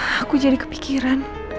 aku jadi kepikiran